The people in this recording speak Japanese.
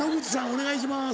お願いします。